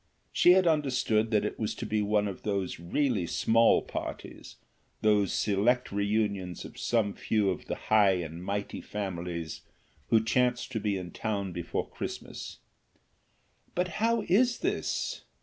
She had understood that it was to be one of those really small parties, those select reunions of some few of the high and mighty families who chance to be in town before Christmas. "But how is this?"